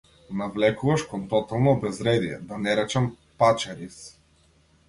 Навлекуваш кон тотално безредие, да не речам - пачариз!